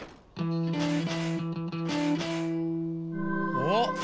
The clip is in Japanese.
おっ！